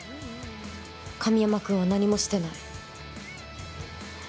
神山君は何もしてない。